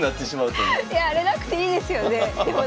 いやあれなくていいですよね。